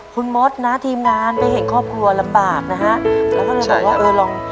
คุณมดนะทีมงานไปเห็นครอบครัวลำบากนะฮะแล้วก็เลยบอกว่าเออลอง